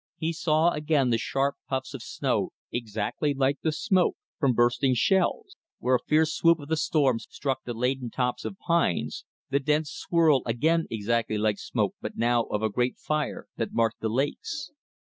He saw again the sharp puffs of snow, exactly like the smoke from bursting shells, where a fierce swoop of the storm struck the laden tops of pines; the dense swirl, again exactly like smoke but now of a great fire, that marked the lakes.